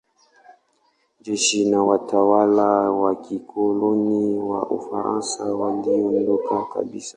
Jeshi na watawala wa kikoloni wa Ufaransa waliondoka kabisa.